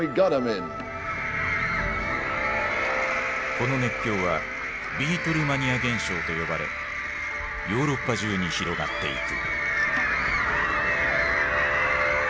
この熱狂は「ビートルマニア現象」と呼ばれヨーロッパ中に広がっていく。